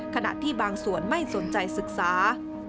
ขณะที่บางส่วนไม่สนใจศึกษา